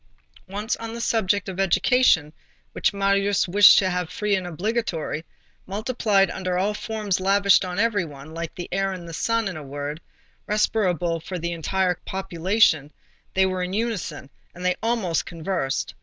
Once, on the subject of education, which Marius wished to have free and obligatory, multiplied under all forms lavished on every one, like the air and the sun in a word, respirable for the entire population, they were in unison, and they almost conversed.